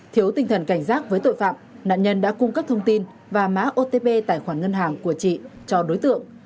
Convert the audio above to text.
thiếu tinh thần cảnh giác với tội phạm nạn nhân đã cung cấp thông tin và mã otp tài khoản ngân hàng của chị cho đối tượng